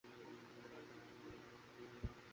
নৌকা গ্রাম ছাড়াইয়া চলিয়া গেল।